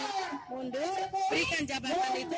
dan mundur berikan jabatan itu